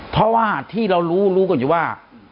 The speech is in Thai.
เพราะว่าที่เรารู้รู้กันอยู่ว่า